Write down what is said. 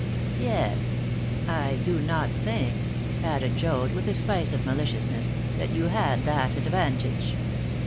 "Yes; I do not think," added Joad, with a spice of maliciousness, "that you had that advantage."